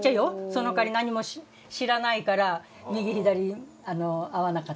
そのかわり何も知らないから右左合わなかったり。